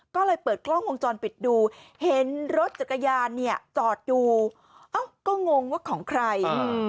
ก็งงว่าของใคร